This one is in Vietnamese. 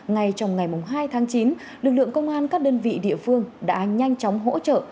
ngay trong ngày hai tháng chín lực lượng công an các đơn vị địa phương đã nhanh chóng hỗ trợ